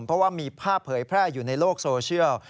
เพราะว่ามีภาพเผยแพร่อยู่ในโลกโซเชียล